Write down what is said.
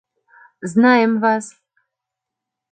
Знаем вас!